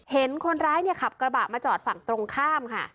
เห็นคนร้ายเนี่ยขับกระบะมาจอดฝั่งตรงข้ามค่ะ